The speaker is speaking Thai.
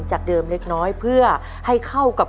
จากเดิมเล็กน้อยเพื่อให้เข้ากับ